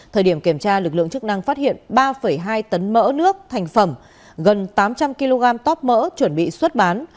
thời điểm kiểm tra lực lượng chức năng phát hiện ba hai tấn mỡ nước thành phẩm gần tám trăm linh kg tóp mỡ chuẩn bị xuất bán